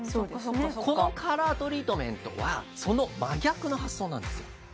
このカラートリートメントはその真逆の発想なんですよ